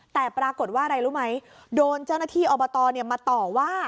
แต่ปรากฏว่าอะไรรู้ไหมโดนเจ้าหน้าที่อบตมาต่อว่า